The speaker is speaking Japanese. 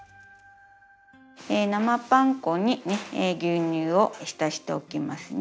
生パン粉に牛乳を浸しておきますね。